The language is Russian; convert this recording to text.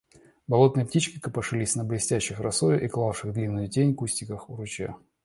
Болотные птички копошились на блестящих росою и клавших длинную тень кустиках у ручья.